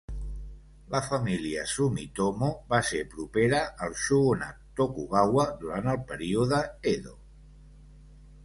La família Sumitomo va ser propera al shogunat Tokugawa durant el període Edo.